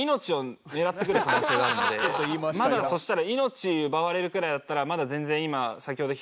まだそしたら。